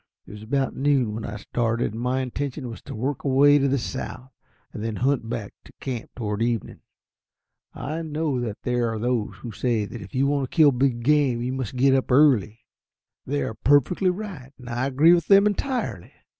It was about noon when I started, and my intention was to work away to the south, and then hunt back to camp toward evening. I know that there are those who say that if you want to kill game you must get up early. They are perfectly right, and I agree with them entirely.